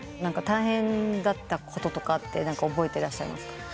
大変だったこととかって覚えていらっしゃいますか？